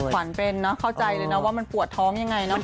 ควรเป็นเข้าใจเลยว่ามันปวดท้องอย่างไร